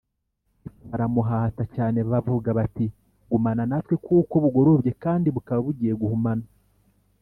Ariko baramuhata cyane bavuga bati gumana natwe kuko bugorobye kandi bukaba bugiye guhumana